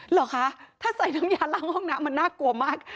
เหรอคะถ้าใส่น้ำยาล้างห้องน้ำมันน่ากลัวมาก